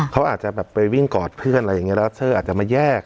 เขาอาจจะแบบไปวิ่งกอดเพื่อนอะไรอย่างนี้แล้วเซอร์อาจจะมาแยก